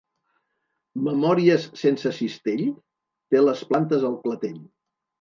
Memòries sense cistell? Te les plantes al clatell.